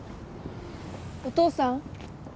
・お父さん。